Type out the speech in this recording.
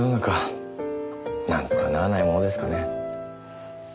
なんとかならないものですかね。